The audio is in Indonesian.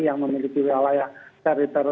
yang memiliki wawasan